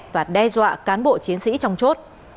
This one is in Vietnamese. và đe dọa cán bộ chiến sĩ trong chốt